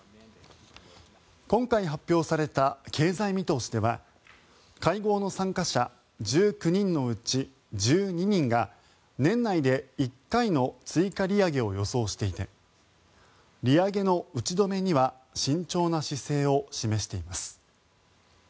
今回発表された経済見通しでは会合の参加者１９人のうち１２人が年内で１回の追加利上げを予想していて利上げの打ち止めには慎重な姿勢を示しています。